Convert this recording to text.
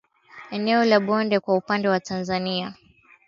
Eneo la bonde kwa upande wa Tanzania ni kilometa za mraba